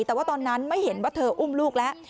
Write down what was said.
แต่ว่าตอนนั้นไม่เห็นว่าเธออุ้มลูกแล้ว